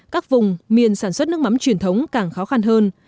các vùng miền sản xuất nước mắm truyền thống càng khó khăn hơn